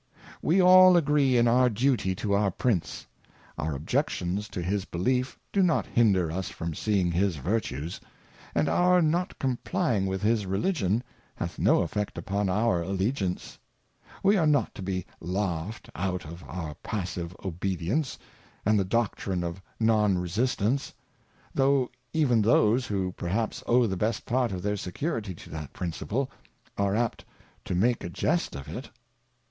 We ^_2g£je in our JDuty to our Prince ; our Objections to his JB elief ^ojiot, h.in^fir_ us from seeing his Ve rt ues ; a nd our , not complying with his fieli gio n. hath no effect oipon , our Allegiane£4 we are not to be laugh£d._imiL jaf„jJiu:~Paasive. ,,. Obedience,^and the. Doctrine of Non Resistance; though even those who perhaps owe the best part of their Security to that Principle, are apt to make a Jest of it.